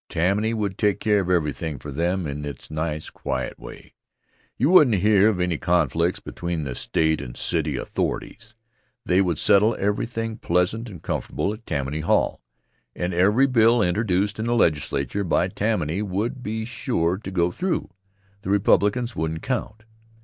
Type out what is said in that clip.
Tammany would take care of everything for them in its nice quiet way. You wouldn't hear of any conflicts between the state and city authorities. They would settle everything pleasant and comfortable at Tammany Hall, and every bill introduced in the Legislature by Tammany would be sure to go through. The Republicans wouldn't count.